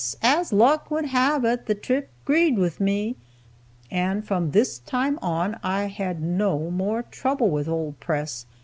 As luck would have it, the trip 'greed with me." And from this time on, I had no more trouble with old Press.